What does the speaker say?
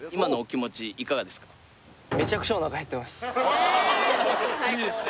今回いいですね